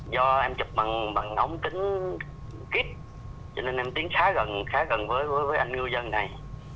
do em chụp bằng ống kính kít cho nên em tiến khá gần với anh ngư dân này